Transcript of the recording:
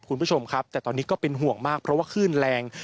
คุณผู้ชมครับแต่ตอนนี้ก็เป็นห่วงมากเพราะว่าคลื่นแรง